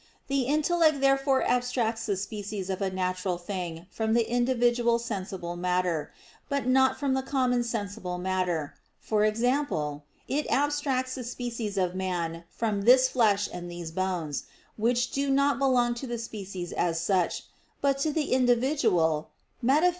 The intellect therefore abstracts the species of a natural thing from the individual sensible matter, but not from the common sensible matter; for example, it abstracts the species of man from "this flesh and these bones," which do not belong to the species as such, but to the individual (Metaph.